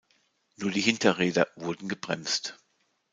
Nur die Hinterräder wurden gebremst.